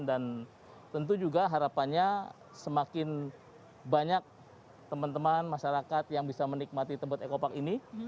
dan tentu juga harapannya semakin banyak teman teman masyarakat yang bisa menikmati tebet eco park ini